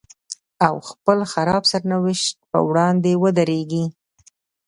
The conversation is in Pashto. او خپل خراب سرنوشت په وړاندې ودرېږي.